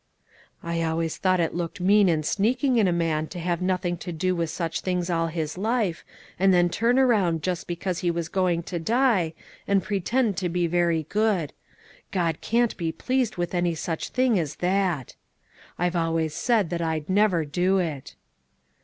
'" "I always thought it looked mean and sneaking in a man to have nothing to do with such things all his life, and then turn around just because he was going to die, and pretend to be very good. God can't be pleased with any such thing as that. I've always said that I'd never do it."